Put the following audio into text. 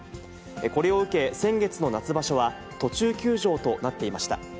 これを受け、先月の夏場所は途中休場となっていました。